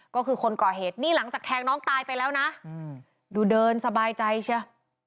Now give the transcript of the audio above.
ก็คือคนก่อเหตุนี่หลังจากแทงน้องตายไปแล้วนะดูเดินสบายใจเชียว